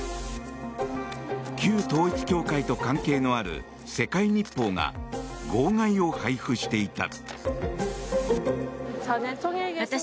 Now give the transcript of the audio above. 旧統一教会と関係のある世界日報が号外を配布していた。